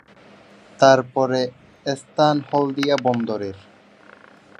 তারপরে স্থান হলদিয়া বন্দরের।